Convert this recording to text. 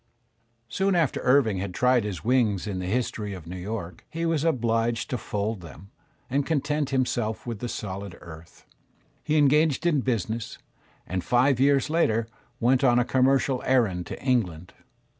Soon after Irving had tried his wings in the '"History of New York," he was obliged to fold them and content him self with the solid earth. He engaged in business, and five years later went on a commercial errand to England.